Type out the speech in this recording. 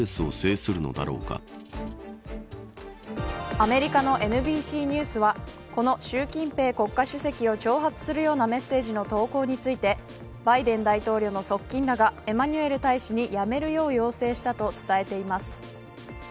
アメリカのＮＢＣニュースはこの習近平国家主席を挑発するようなメッセージの投稿についてバイデン大統領の側近らがエマニュエル大使にやめるよう要請したと伝えています。